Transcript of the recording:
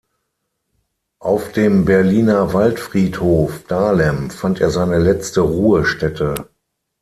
Auf dem Berliner Waldfriedhof Dahlem fand er seine letzte Ruhestätte.